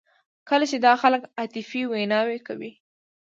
کله چې دا خلک عاطفي ویناوې کوي.